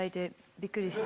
びっくりして。